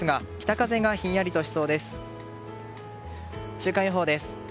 週間予報です。